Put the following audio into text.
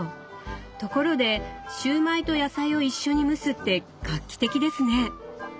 ところでシューマイと野菜を一緒に蒸すって画期的ですね！